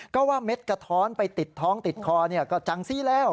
ก็ว่าเม็ดกระท้อนไปติดท้องติดคอก็จังซี่แล้ว